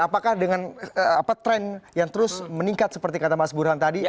apakah dengan tren yang terus meningkat seperti kata mas burhan tadi